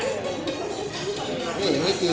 มันเป็นสิ่งที่เราไม่รู้สึกว่า